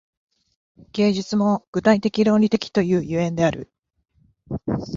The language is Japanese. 芸術も具体的論理的という所以である。